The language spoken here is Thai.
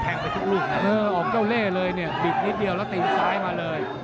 เออออกเก่าเล่เลยบิดนิดเดียวแล้วตีงซ้ายมาเลย